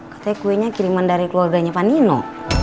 katanya kuenya kiriman dari keluarganya pak nino